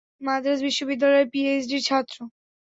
মাদ্রাজ বিশ্ববিদ্যালয়ের পিএইচডির ছাত্র?